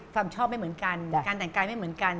ความชอบไม่เหมือนกันการแต่งกายไม่เหมือนกัน